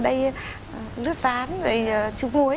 đây lướt ván rồi chụp muối